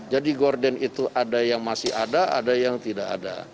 jadi korden itu ada yang masih ada ada yang tidak ada